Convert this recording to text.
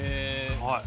はい。